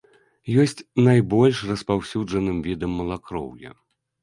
Ёсць найбольш распаўсюджаным відам малакроўя.